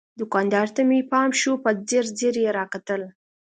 دوکاندار ته مې پام شو، په ځیر ځیر یې را کتل.